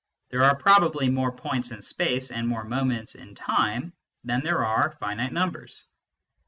There are probably more points in space and more moments in time than there are finite numbers.